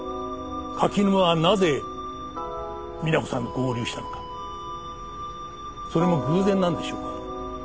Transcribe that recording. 柿沼はなぜみな子さんと合流したのかそれも偶然なんでしょうか。